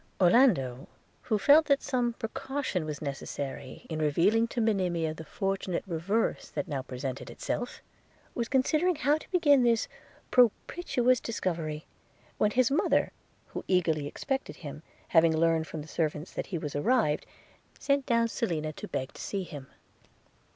Orlando, who felt that some precaution was necessary, in revealing to Monimia the fortunate reverse that now presented itself, was considering how to begin this propitious discovery, when his mother, who eagerly expected him, having learned from the servants that he was arrived, sent down Selina to beg to see him.